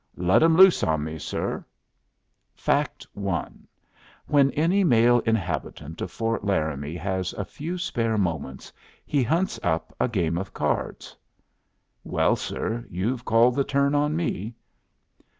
"Let 'em loose on me, sir." "Fact one: When any male inhabitant of Fort Laramie has a few spare moments, he hunts up a game of cards." "Well, sir, you've called the turn on me."